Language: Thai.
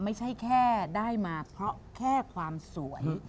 ไม่ใช่แค่ได้มาเพราะแค่ความสวย